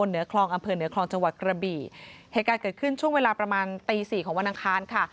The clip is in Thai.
เหตุการณ์เกิดขึ้นช่วงเวลาประมาณตี๔ของวันอังคารค่ะ